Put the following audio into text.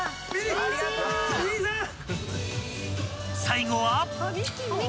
［最後は］